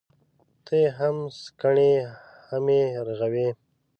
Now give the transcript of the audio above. ته يې هم سکڼې ، هم يې رغوې.